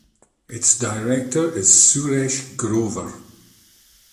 Its director is Suresh Grover.